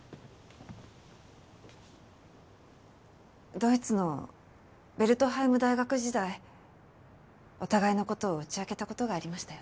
ドイツのヴェルトハイム大学時代お互いの事を打ち明けた事がありましたよね。